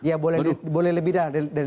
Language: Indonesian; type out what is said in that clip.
ya boleh lebih dari lima belas detik